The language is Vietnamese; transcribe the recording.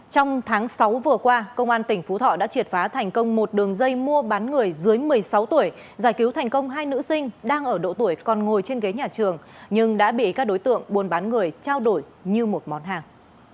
trong tháng sáu vừa qua công an tỉnh phú thọ đã triệt phá thành công một đường dây mua bán người dưới một mươi sáu tuổi giải cứu thành công hai nữ sinh đang ở độ tuổi còn ngồi trên ghế nhà trường nhưng đã bị các đối tượng buôn bán người trao đổi như một món hàng